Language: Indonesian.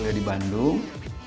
saya dari bandung